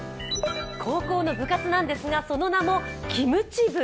高校の部活なんですがその名もキムチ部。